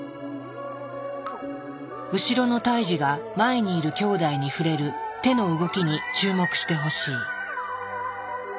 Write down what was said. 後ろの胎児が前にいるきょうだいに触れる手の動きに注目してほしい。